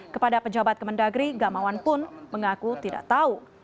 kepada pejabat kemendagri gamawan pun mengaku tidak tahu